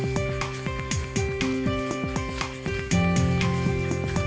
we got love selamat tinggal